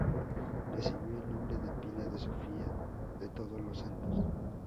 Recibió el nombre de pila de Sofía de Todos los Santos.